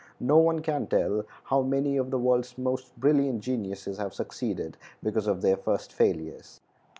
No one can tell how many of the world's most brilliant geniuses have succeeded because of their first failures.